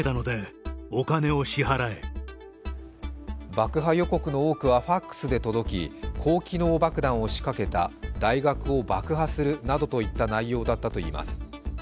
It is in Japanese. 爆破予告の多くはＦＡＸで届き高機能爆弾を仕掛けた大学を爆破するなどといった内容だったといいます。